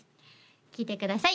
聴いてください